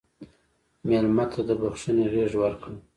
مېلمه ته د بښنې غېږ ورکړه.